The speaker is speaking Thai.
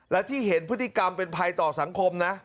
และที่เห็นพฤติกรรมเป็นภัยต่อสังคมนะ